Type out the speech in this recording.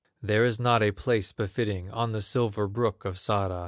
"There is not a place befitting, On the silver brook of Sara.